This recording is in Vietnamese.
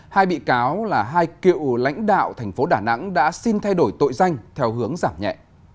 hai bị cáo là hai cựu lãnh đạo thành phố đà nẵng đã xin thay đổi tội danh theo hướng giảm nhẹ